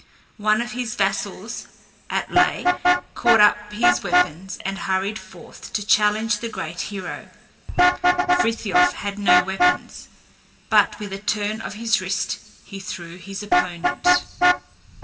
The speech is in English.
One of his vassals, Atlé, caught up his weapons and hurried forth to challenge the great hero. Frithiof had no weapons, but with a turn of his wrist he threw his opponent.